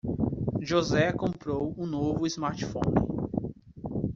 José comprou um novo smartphone.